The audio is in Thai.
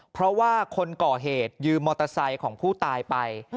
เพราะว่าคนก่อเหตุยืมมอเตอร์ไซค์ของผู้ตายไป